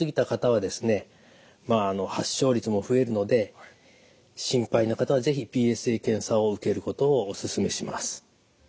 発症率も増えるので心配な方は是非ＰＳＡ検査を受けることをお勧めします。